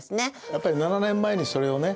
やっぱり７年前にそれをね